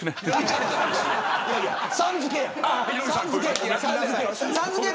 さん付け。